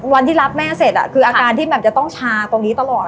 วันที่รับแม่เสร็จคืออาการที่แบบจะต้องชาตรงนี้ตลอด